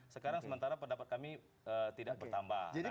sekarang sementara pendapat kami tidak bertambah